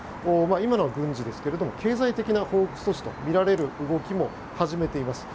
今のは軍事ですが経済的な報復措置とみられる動きも始めています。